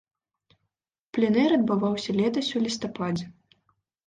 Пленэр адбываўся летась у лістападзе.